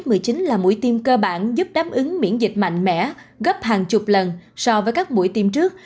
covid một mươi chín là mũi tiêm cơ bản giúp đáp ứng miễn dịch mạnh mẽ gấp hàng chục lần so với các mũi tiêm trước